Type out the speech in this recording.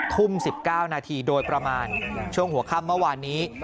ทุ่ม๑๙นาทีโดยประมาณช่วงหัวค่ำเมื่อวานนี้